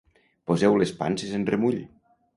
poseu les panses en remull